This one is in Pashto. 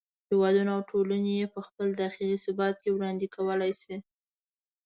هېوادونه او ټولنې یې په خپل داخلي ثبات کې وړاندې کولای شي.